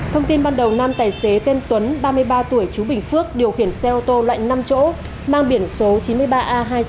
thông tin ban đầu nam tài xế tên tuấn ba mươi ba tuổi chú bình phước điều khiển xe ô tô loại năm chỗ mang biển số chín mươi ba a hai mươi sáu nghìn sáu trăm ba mươi ba